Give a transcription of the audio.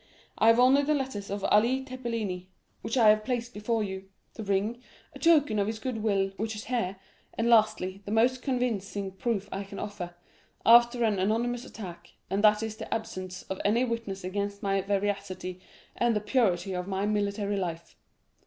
I have only the letters of Ali Tepelini, which I have placed before you; the ring, a token of his good will, which is here; and, lastly, the most convincing proof I can offer, after an anonymous attack, and that is the absence of any witness against my veracity and the purity of my military life.